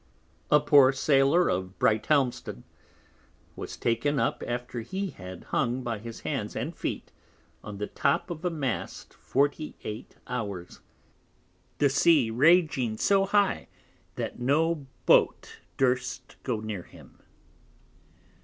A poor Sailor of Brighthelmston was taken up after he had hung by his Hands and Feet on the top of a Mast 48 hours, the Sea raging so high, that no Boat durst go near him.